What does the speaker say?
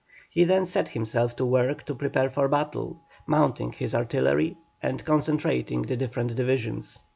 He then set himself to work to prepare for battle, mounting his artillery and concentrating the different divisions.